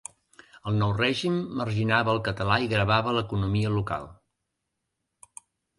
El nou règim marginava el català i gravava l'economia local.